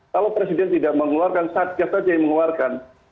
kalau presiden tidak mengeluarkan satgas saja yang mengeluarkan